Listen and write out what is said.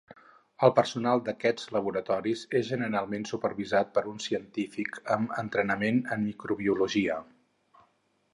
El personal d’aquests laboratoris és generalment supervisat per un científic amb entrenament en microbiologia.